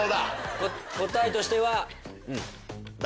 答えとしては。